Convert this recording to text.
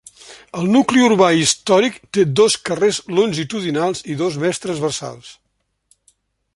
El nucli urbà històric té dos carrers longitudinals i dos més transversals.